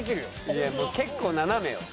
いや結構斜めよ。